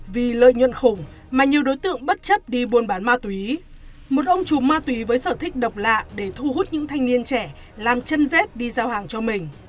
vì lợi nhuận khủng mà nhiều đối tượng bất chấp đi buôn bán ma túy một ông chú ma túy với sở thích độc lạ để thu hút những thanh niên trẻ làm chân dết đi giao hàng cho mình